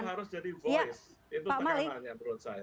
itu harus jadi voice itu tekanannya menurut saya